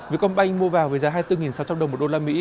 vì công banh mua vào với giá hai mươi bốn sáu trăm linh đồng một usd